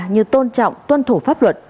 như tôn trọng tuân thủ pháp luật